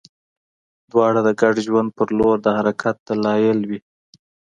دواړه د ګډ ژوند په لور د حرکت دلایل وي.